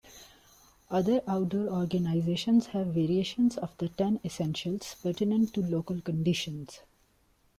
Other outdoor organizations have variations of the "Ten Essentials" pertinent to local conditions.